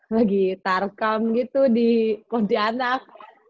lagi tarcam gitu di kontianak